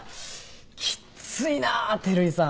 きっついなぁ照井さん。